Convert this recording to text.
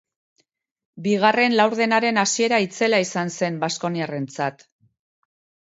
Bigarren laurdenaren hasiera itzela izan zen baskoniarrentzat.